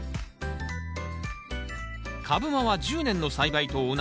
株間は１０年の栽培と同じ４０ｃｍ。